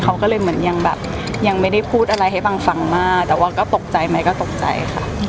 เขาก็เลยเหมือนยังแบบยังไม่ได้พูดอะไรให้บังฟังมากแต่ว่าก็ตกใจไหมก็ตกใจค่ะ